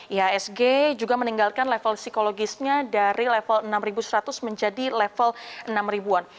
ihsg juga meninggalkan level psikologisnya dari level enam ribu seratus menjadi level enam ribuan